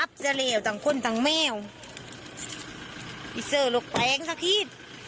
รับจะเลี่ยวต่างคนต่างแม่วอิสเซอร์ลกแปลงสักที